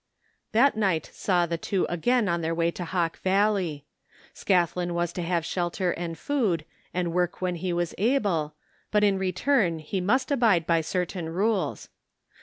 That night saw the two again on their way to Hawk Valley. ScathJin was to have shelter and food, and work when he was able, but in return he must abide by certain rules.